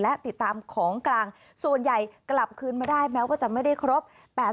และติดตามของกลางส่วนใหญ่กลับคืนมาได้แม้ว่าจะไม่ได้ครบ